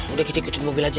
udah kita ikutin mobil aja